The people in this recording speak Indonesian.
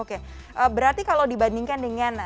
oke berarti kalau dibandingkan dengan